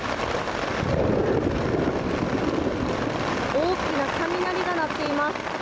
大きな雷が鳴っています。